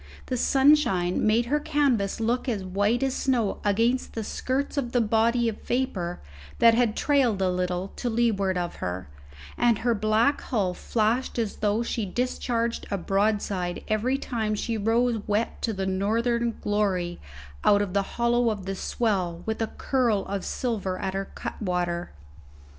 The sunshine made her canvas look as white as snow against the skirts of the body of vapour that had trailed a little to leeward of her, and her black hull flashed as though she discharged a broadside every time she rose wet to the northern glory out of the hollow of the swell with a curl of silver at her cutwater.